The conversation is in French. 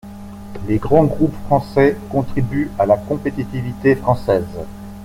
Les grands groupes français contribuent à la compétitivité française.